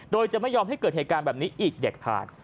โดยจะไม่ยอมให้เกิดเหตุการณ์แบบนี้อีกเด็ดขาด